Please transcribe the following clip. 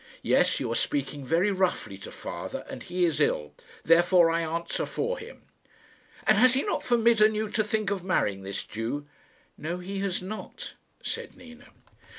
"Yes; you are speaking very roughly to father, and he is ill. Therefore I answer for him." "And has he not forbidden you to think of marrying this Jew?" "No, he has not," said Nina.